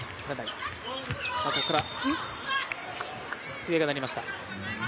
笛が鳴りました。